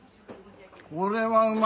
これはうまい！